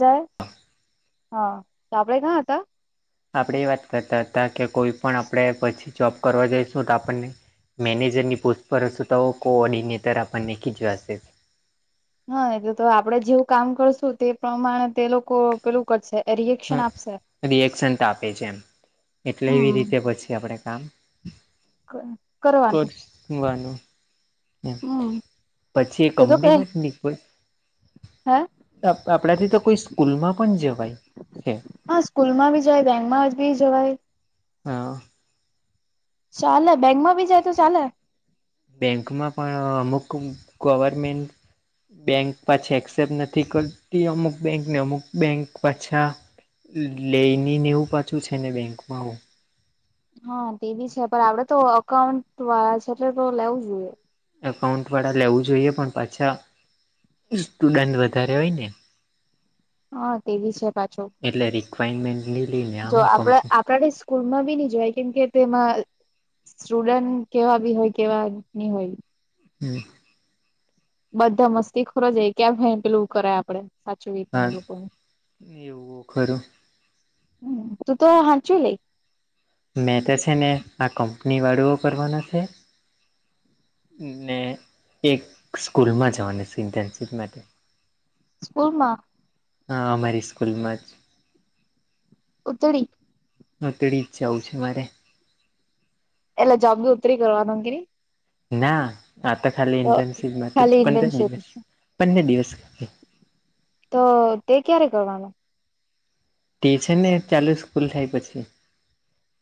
જ હા તો આપડે કં હતા આપણે એ વાત કરતા હતા કે કોઈ પણણ આપણે પછી જોબ કરવા જઈશું તો આપણને મેનેજરની પોસ્ટ પર હશું તોઓ કોઓર્ડિનેટર આપણને ખી જવાશે હા એ તો તો આપડે જેવું કામ કરશું તે પ્રમાણે તે લોકો પેલું કરશે રિએક્શન આપશે હ રિએક્શન તો આપે છે એમ એટલે એવી હમ રીતે પછી આપણેે ક કરવાનું કરવાનું હમ પછી એ તે તો કઈ કંપનીમાં જ ની કોઈ હે આપણાથી તો કોઈ સ્કૂલમાં પણ જવાય છે. હા સ્કૂલ માં બી જાય બેંકમાં જ બી જવાય હા ચાલે બેંક માં ભી જાય તો ચાલે બેંકમાં પણ અમુક ગવર્મેન્ટ બેંક પાછા એક્સેપ્ટ નથી કરતી અમુક બેંક ને અમુક બેંક પાછા લઈને ને એવું પાછું છે ને બેંકમાં હું હા તે ભી છે પણ આપણે તો અકાઉન્ટ વાળા છે એટલે તો લેવું જોઈએ એકાઉન્ટ વાળા લેવું જોઈએ પણ પાછા સ્ટુડન્ટ વધારે હોય ને હા તે બી છે પાછું એટલે રિક્વાયરમેન્ટ નઈ લઈને હું કંપ આપણે સ્કૂલમાં ભી નહી જવાય કેમ કે તેમાં સ્ટુડન્ટ કેવા ભી હોય કેવા નહિ હોય હમ બધા મસ્તીખોર જ હોય ક્યાં ભાઈ ને પેલું કરે આપણે સાચ વિચાર હા લોકોનું એવું ખરું હ તું તો હાંચુ લઈ મેં તો છે ને આ કંપની વાળુંઓ કરવાના છે ને એક સ્કૂલમાં જવાનું છે ઇન્ટર્નશીપ માટે [inaudible] ઓહ મા હા અમારી સ્કૂલમાં જ ઉતરી હા તેડી જ જાવુ છે મારે એટલે જોબ ભી ઉતરી કરવાનું કરી ના આતો ખાલી ઇન્ટનશીપમાં ખાલી પંદર ઇન્ટર્નશીપ દિવસ પંદર દિવસ ખાલી તો તે ક્યારે કરવાનું તે છે ને ચાલુ સ્કૂલ થાય પછી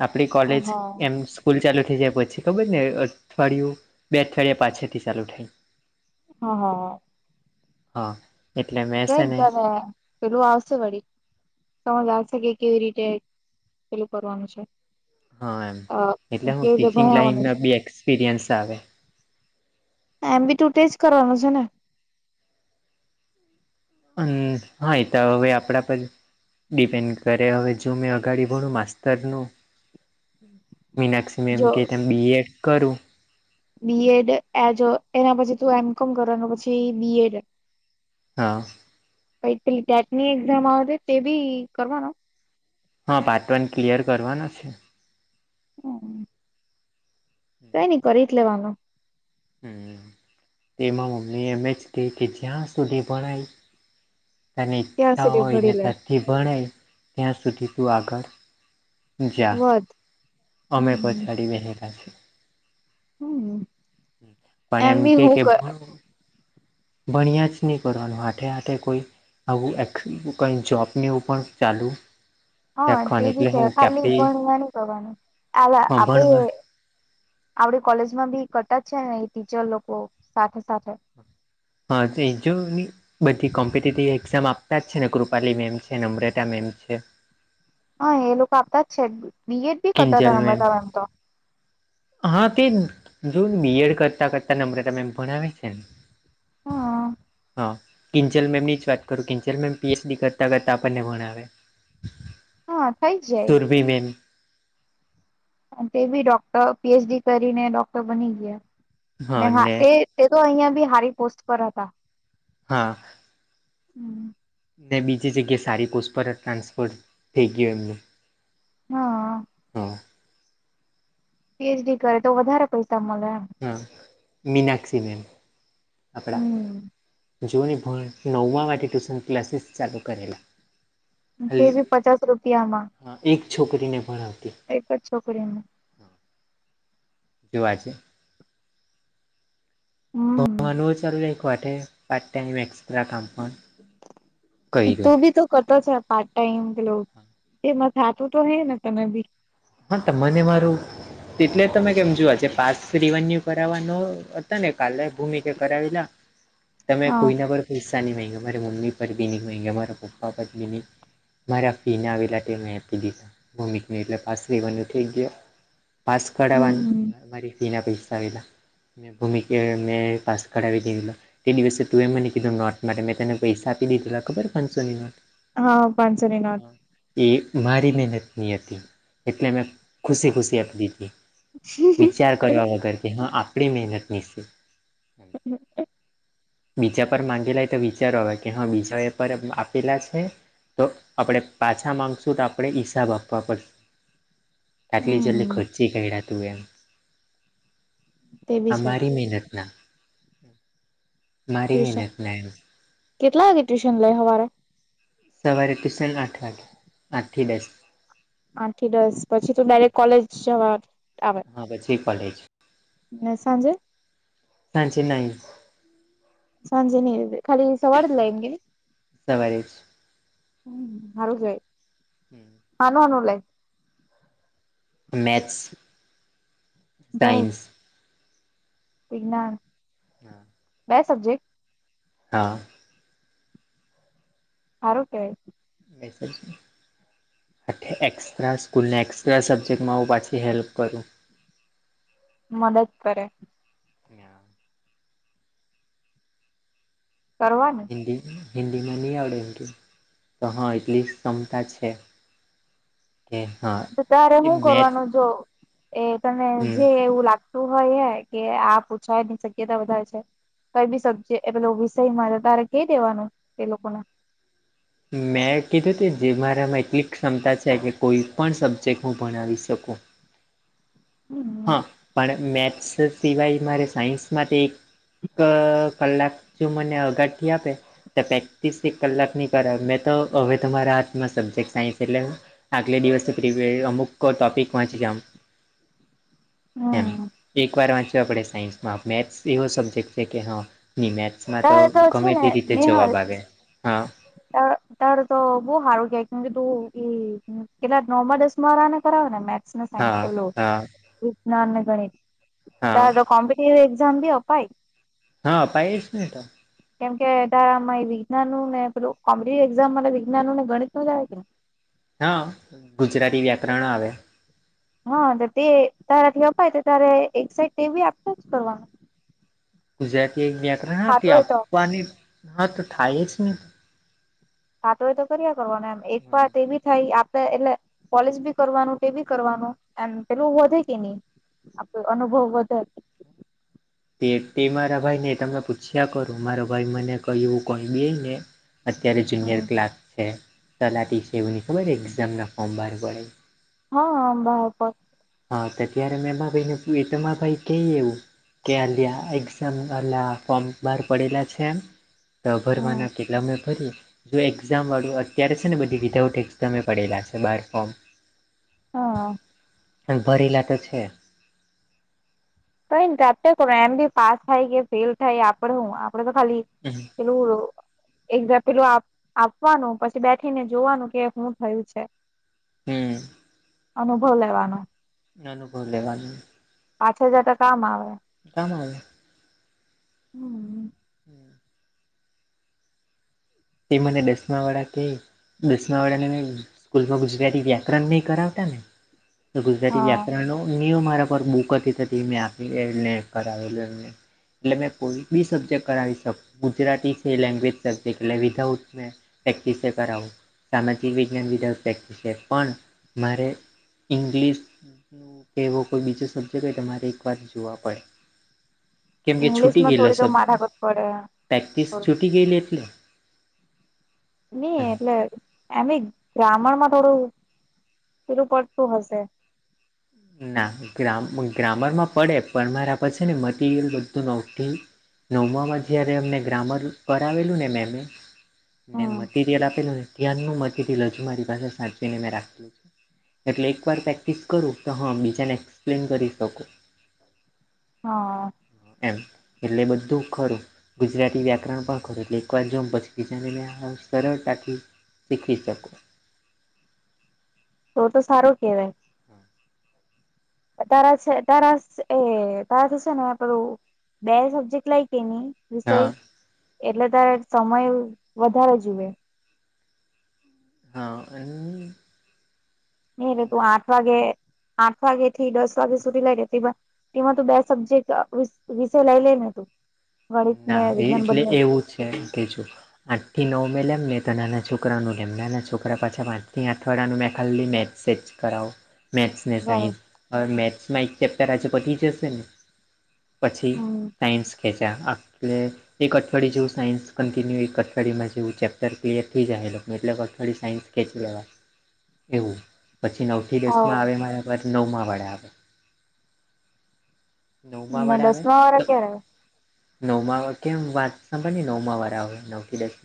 આપડી કોલેજ હા એમ હા સ્કૂલ ચાલુ થઈ જાય પછી ખબર ને અઠવાડિયું બે અઠવાડિયા પાછળથી ચાલુ થાય હ હ અ ગઈ ને ત્યારે પેલું આવશે વળી સમજ આવશે કે કેવી રીતે પેલું કરવાનું છે હ એમ અ એટલે હું કેવી રીતે ટીચિંગ ભણાવવાનું છે લાઈનમાં ભી એક્સપિરિયન્સ આવે એમ ભી તો તેજ કરવાનું છે ને હમ હા એ તો હવે આપડા પર ડિપેન્ડ કરે હવે જો મેં આગાડ ભણું માસ્તર નુ મીનાક્ષી જો મેમ કે તેમ બીએડ કરું બીએડ એજો એના પછી તું એમકોમ કરવાનું પછી બીએડ હા પછી ટેકની એક્ઝામ આવે તે ભી કરવાનો હા પાર્ટવન ક્લિયર કરવાનો છે હમ કઈ નઈ કરી જ લેવાનું હમ એમાં મમ્મી એમ જ કહી કે જ્યાં સુધી ભણાય તને ત્યાં ઈચ્છા સુધી હોય ભરી ને લે તારથી ભણાય ત્યાં સુધી તું આગળ જા વધ અમે હમ પછાડી [unintelligible] છીએ હમ પણ એમ બી કે હું કે ભણો ભણ્યા જ નહીં કરવાનું હાથે હાથે કોઈ આવું એ [unintelligible] જોબને એવું પણ ચાલુ હા તે રાખવાની ભી એટલે છે હું કે આપે ખાલી હા ભણ નઈ કરવાનું [unintelligible] આપે ભણવા આપણી કોલેજમાં ભી કરતાં જ છે ને એ ટીચર લોકો સાથે સાથે હા તે જો બી બધી કોમ્પિટેટિવ એકઝામ આપતા જ છે ને કૃપાલી મેમ છે નમ્રતા મેમ છે હા એ લોકો આપતા જ છે બીએડ બી કરતા કિંજલ હતામે ત મેમ એમ તો હા તે જો બી એડ કરતા કરતા નમ્રતા મેમ ભણાવેજ છે હા હ કિંજલ મેમ ની જ વાત કરું કિંજલ મેમ પીએચડી કરતા કરતા આપણને ભણાવે હા થઈ જાય [unintelligible] અને તે બી ડોક્ટર પીએચડી કરીને ડોક્ટર બની ગયા ને હા તે તે તો અહીંયા બી હારી પોસ્ટ પર હતા હા [inaudible] ને બીજી જગ્યાએ સારી પોસ્ટ પર જ ટ્રાન્સફર થઈ ગયું એમનું હા હમ પીએચડી કરે તો વધારે પૈસા મળે એમ હમ મીનાક્ષીમેમ હમ આપણા જોની ભણ નવમાં માંથી ટ્યુશન ક્લાસીસ ચાલુ કરેલા કે ખાલી ભી પચાસ રૂપિયા માં હા એક છોકરીને ભણાવતી એક જ છોકરીને જોવા છે હમ ભણવાનું ચાલુ રાયખુ [unintelligible] પાર્ટ ટાઈમ એક્સ્ટ્રા કામ માં તું બી તો કરતો છે પાર્ટ ટાઈમ કેટલો એ મ થતું તો હે ને તમે બી હા ત મને મારું એટલે તમે કેમ જો આજે પાસ રિવન્યુ કરાવાનો હતા ને કાલે ભૂમિકે કરાવેલા તમે હા કોઈના પર પૈસાની માંયગા મારે મમ્મી પર બી ની માયગા મારાં પપ્પા પર બી ની મારા ફી આવેલા મે આપી દી ભૂમિકની એટલે પાસ રેવાનું થઈ ગયુ પાસ હમ કઢાવાનું મારી ફી ના પૈસા આવેલા ને ભૂમિક મે પાસ કઢાવી દીધેલા તે દિવસે તું એ મને કીધું નોટ માટે મેં તેને પૈસા આપી દીધેલા ખબર પાંચસોની નોટ હા પાંચોની નોટ એ મારી મહેનત ની હતી એટલે મેં ખુશી ખુશી આપ દીધી વિચાર કરવા વગરથી હા આપડી હેનત ની છે હમ બીજા પર માંગેલાય તો વિચારો આવે કે હા બીજા એ પર આપેલા છે તો આપડે પાછા માગશું તો આપડે હિસાબ આપવા પડશે આટલી જલ્દી હમ ખર્ચી કાયડા તુંએ તે બી છે અમારી મહેનત ના મારી ટ્યુશન મહેનત ના એમ કેટલા વાગે ટ્યુશન લેઈ હવારે સવારે તુશન આઠ વાગે આઠ થી દસ આઠ થી દસ પછી તો ડાયરેક્ટ કોલેજ જવા આવે હા પછી કોલેજ ને સાંજે નાઇછી નાઈ સાંજે ની આયવી ખાલી સવારે જ [inaudible] તવારે હમ હારું કેવાય હમ [unintelligible] મેથ્સ ગણિત ટાઈમ્સ વિજ્ઞાન હા બે સબ્જેક્ટ? હા. હારુ કેવાય. મેસ [inaudible] આ એક્સ્ટ્રા સ્કૂલને એક્સ્ટ્રા સબ્જેક્ટમાં આવું પાછી હેલ્પ કરું. મદદ કરે. ના. કરવાનું હિન્દીમાં ની આવડે એમ કે તો હા એટલીસ્ટ ક્ષમતા એ છે. હા. તો તારે એ હું મેં કરવાનું જો? એ તને હમ જે એવું લાગતું હોય, એ કે આ પૂછવાની શક્યતા વધારે છે. કઈ બી સબ્જે એ પેલો વિષયમાં તારે કઈ દેવાનું એ લોકોને મેં કીધું કે જે મારામાં એટલી ક્ષમતા છે કે કોઈ પણ સબ્જેક્ટ હું ભણાવી શકું. હમ. હા, પણ મેક્સ સિવાય, મારે સાયન્સ માટે એક કલાક જો મને આગળથી આપે. તો પ્રેક્ટિસ એક કલાકની કરાવ મેં તો હવે ત મારા હાથમાં સબ્જેક્ટ સાયન્સ એટલેે આગલે દિવસ પ્રિપર અમુક ટોપિક વાંચી જામ. એમ હમ એકવાર વાંચવા પડે આપણે સાયન્સમાં મેથ્સ એવો સબ્જેક્ટ છે કે હા, નિ મેથસ માં તો તારે છે ગમે ને તે રીતે જવાબ નિહાળ આવે, હા. હારુ તો, બહું સારું કેમ કે તું એ કેટલા નોમા, દસમાવાળાને કરાવે ને મેક મેક્સ ને સાયન્સ હા પહેલુ હા [unintelligible] તા હા જો કોમ્પ્યુ તે એક્ઝામ બી અપાય. હા અપાય જ ને તો. કેમ કે તારામાં વિજ્ઞાનનું, ને પેલું કોમ્પટિવ એઝામ માટે વિજ્ઞાનનુ નેગણિતનું જ આવુ કે ની. હા, ગુજરાતી વ્યાકરણ આવે. હા, તો તે તારાથી અપાય તો તારે એક સાઈડ તે બી આપવા પડવાનું. ગુજરાતી વ્યાકરણ થતું હતી હોય તો આપવાની હા, તો થાય જ ને. થાતું હોય તો કર્યા કરવાનું એમ એક હા વાત એવી થાય આપે એટલે કોલેજ બી કરવાનું, તે ભી કરવાનું, એમ પેલું વધે કે નહી. આપણો અનુભવ વધે. તે તે મારા ભાઈને તમે પૂછ્યા કરુ, મારો ભાઈ મને કહ્યું કોઈ બે ને અત્યારે જુનિયર હમ ક્લાક છે, તલાટી છે એવું ખબર, એઝામના ફોર્મ બહાર પડે. હા, બહાર પર હા તો ત્યારે મેં માર ભાઈ ને એ તો મારા ભાઈ કઈ એવું. કે આલ્યા એક્ઝામ, આલ્યા ફોર્મ બહાર પડેલા છે. તો હમ ભરવાના કેટલા મેં ભરીએ. જો એક્ઝામ વાળું અત્યારે છે ને બધી વિધાઉટ એક્ઝમે પડેલા છે બાર ફોર્મ. હા ભરેલા તો છે. કંઈ નહીં તો આપ્યા કરવાનું એમ બી પાસ થાય કે ફેલ થાય આપડે હું આપડે તો ખાલી હમ્મ. એવું એકદા પેલું અપ આપવાનું, પછી બેઠીને જોવાનું કે શું થયું છે? હમ્મ. અનુભવ લેવાનો. ને અનુભવ લેવાનો. પાછળ જતા કામ આવે. કામ આવે. હમ. હમ્મ. તે મને દસમા વાળા થી દસમા વાળાને સ્કૂલમાં ગુજરાતી વ્યાકરણ નહી કરાવતા ને તો ગુજરાતી હા વ્યાપરણનો ન્યૂ મારા પર બુક હતી તો તે મેં આપી ને એ ને કરાવેલું એમને. એટલે મેં કોઈ બી સબ્જેક્ટ કરાવી શકું ગુજરાતી છે લેંગ્વેજ સબ્જેક્ટ એટલે વિધાઉટ મેં પ્રેક્ટિસે કરવું. સામાજિક વિજ્ઞાન વિધાઉટ પ્રેક્ટિસ છે, પણ મારે ઇંગ્લિશ કે એવો કોઈ બીજો સબ્જેક્ટ હોય તમારે એક વાર જોવા પડે. કેમ કે છુટી ઈંગ્લિશમાં ગયલ થોડી તો સબ માથાકૂટ પડે પ્રેક્ટિસ થોડું છુટી ગયલી એટલે. નઈ એમ. એટલે એમ ગ્રામર માં થોડું પેલું પડતું હશે. ના ગ ગ્રામર માં પડે પણ મારા પર છે ને મટીરિયલ બધું નતી નવમામાં જયારે અમને ગ્રામર કરાવેલું ને મેમે એ ને હમ મટીરિયલ આપેલું ત્યાન નુ મ [unintelligible] ટીરીયલ મારી પાસે સાચવીને મેં રાખેલું છે એટલે એક વાર પ્રેક્ટિસ કરું તો હા બીજાને એક્સપ્લેન કરી શકો. હા. એમ એટલે બધું ખરું. ગુજરાતી વ્યાકરણ પણ ખરૂ એક વાર જોમ પછી બીજાને મેં આ સરળતાથી શીખી શકો. તો તો સારો કેવાય. હા. તારા છે તારા એ તારા થશે ને પેલુ બે સબ્જેક્ટ લઈ કે ની વિષય હા એટલે તારે સમય વધારે જુએ હા અને નઈ ને તું આઠ વાગે આઠ વાગે થી દસ વાગે સુધી લઈ લેતી પણ તેમાં તો બે સબ્જેક્ટ વિષય લઈ લેને તું ગણિત ને ના એ વિજ્ઞાન એટલે બંને એવું છે કે જૂનું આઠ થી નવ મેં લેવુ ને તો નાના છોકરા નું લેવ નાના છોકરા પાછા પાંચ થી આઠ વાળા નું મેં ખાલી મે છે જ કરવો મેથ્સ ને ગણિત સાયન્સ હવે મેથ્સમાં એક ચેપ્ટર આજે પતિ જશે ને પછી હમ સાઇન્સ ખેંચ્યા આટલે. એક અઠવાડિય જેવું સાયન્સ કન્ટિન્યુ એક અઠવાડિયા માં જેવું ચેપ્ટર ક્લિયર થઈ જાય એટલે અઠવાડયે સાયન્સ ખેચી લેવા એવું પછી નવ હ એપ્લિકેશન માં આવે મારા પર નવમાં વાળા આવે. નવમાં ને દસમા વાળા ક્યારે આવે નવમા કેમ વાં સાંભળને નવમાં વાળા આવે નવ થી દસ.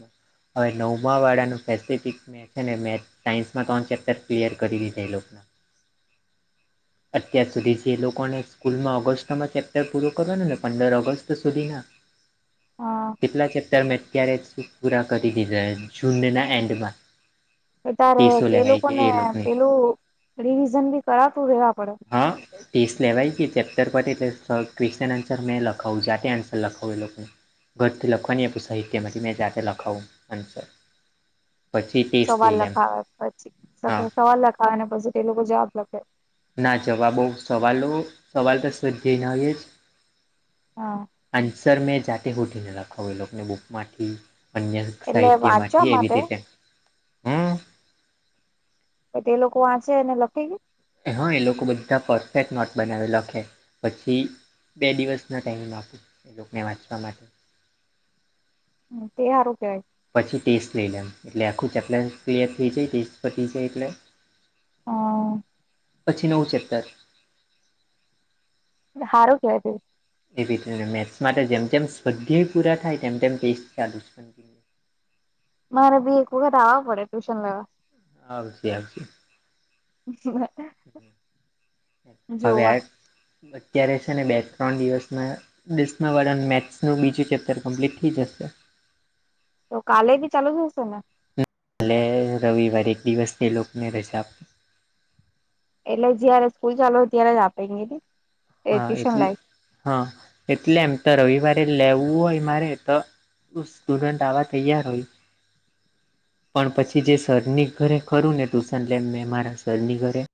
હવે નવમા વાળાનું પેસિફિક છે અને મેથ્સ સાયન્સમાં ત્રણ ચેપ્ટર ક્લિયર કરી લીધે એ લોકોના અત્યાર સુધી જે લોકોને સ્કૂલમાં ઓગસ્ટમાં ચેપ્ટર પૂરું કરવાનું ને પંદર ઓગસ્ટ તો સુધિના હા કેટલા ચેપ્ટર મેં અત્યારે સુધી પૂરા કરી દીધા જૂનના એન્ડમાં [inaudible] અ ત્યારે ટેસો તે લેવાય લોકો છે ને એ લોકોની પેલું રિવિઝન ભી કરાતું રહેેવા પડે. હા ટેસ્ટ લેવાય ગયો કે ચેપ્ટર પર એટલે ક્વેશ્ચન આન્સર મેં લખાવું જા આન્સર લખાવ એ લોકોને ઘરથી લખવાની આપણી સાહિત્યમાંથી મેં જાતે લખાવું આન્સર [inaudible] ટેસ્ટ સવાલ લઈ લેમ લખાવે હા પછી સવાલ લખાવેને પછી તે લોકો જવાબ લખે. ના જવાબોઓ સવાલો સવાલ તો સજને હોએ જ હા. આન્સર મેં જાતે શોઢીને લખાવ એ લોકોને બુકમાંથી અન્ય એટલે વાંચવા સાહિત્યમાંથી એવી માટે રીતે હમ અને તે લોકો વાંચે અને લખાઈ જાય હા એ લોકો બધા પરફેક્ટ નોટ બનાવી લખે પછી બે દિવસ ના ટાઈમિંગ આપું એ લોકોને વાંચવા માટે તે સારું કેવાય. પછી ટેસ્ટ લઈ એમ એટલે આખું ચેપ્ટર ક્લિયર થઈ જાય ટેસ્ટ પતી જાય એટલે હા. પછી નવું ચેપ્ટર હારું કેવાય છે. એવી રીતે મેથ્સ માટે જેમ તેમ સ્પધ પૂરા થાય તેમ તેમ ટેસ્ટ ચાલુ મારે બી એક વખત આવવા પડે ટ્યુશન લેવા આ વિધાર્થી શુ હતા હવે આ અત્યારે છે ને બે ત્રણ દિવસમાં ક્રિષ્ના વાળાનું મેસ નું બીજું ચેપ્ટર કમ્પ્લીટ થઈ જશે તો કાલે ભી ચાલુ જ હશે ને હાલે રવિવારે એક દિવસ તે લોકોને રજા આપી એટલે જયારે સ્કૂલ ચાલુ હોય ત્યારે જ આપે હા ટ્યુશન એટલે લાય હા એટલે એમ તો રવિવારે લેવું હોય મારે તો સ્ટુડન્ટન્ટ આવા તૈયાર હોય. પણ પછી જે સરની ઘરે ખરું ને ટ્યુશન લેમ મેં મારા સરની ઘરે